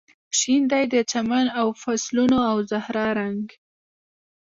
شین دی د چمن او فصلونو او زهرا رنګ